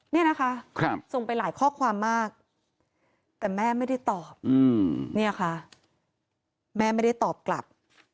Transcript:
เนี่ยนะคะส่งไปหลายข้อความมากแต่แม่ไม่ได้ตอบเนี่ยค่ะแม่ไม่ได้ตอบกลับ